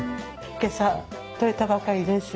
今朝取れたばかりです。